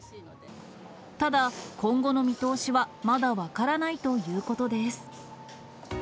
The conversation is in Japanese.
ただ、今後の見通しはまだ分からないということです。